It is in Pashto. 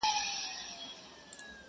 ستا د خالپوڅو د شوخیو وطن!!